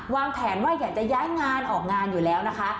วางแผนว่าอยากจะย้ายงานออกงานอยู่แล้วนะคะ